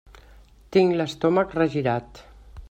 Tinc l'estómac regirat.